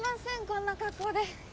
こんな格好で。